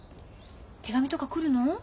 手紙とか来るの？